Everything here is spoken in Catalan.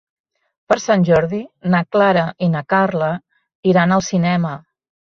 Per Sant Jordi na Clara i na Carla iran al cinema.